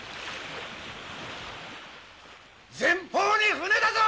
・前方に船だぞ！